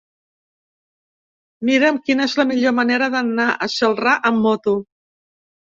Mira'm quina és la millor manera d'anar a Celrà amb moto.